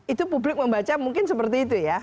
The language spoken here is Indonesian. itu publik membaca mungkin seperti itu ya